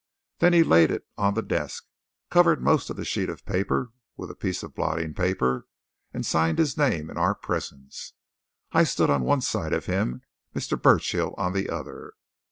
Then he laid it on the desk, covered most of the sheet of paper with a piece of blotting paper and signed his name in our presence I stood on one side of him, Mr. Burchill on the other.